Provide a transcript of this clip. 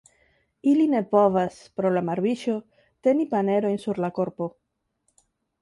Ili ne povas pro la marviŝo teni panerojn sur la korpo.